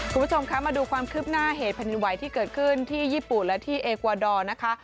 คุณผู้ชมคะมาดูความคืบหน้าเหตุแผ่นดินไหวที่เกิดขึ้นที่ญี่ปุ่นและที่เอกวาดอร์นะคะ